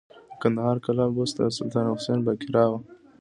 د کندهار قلعه بست د سلطان حسین بایقرا و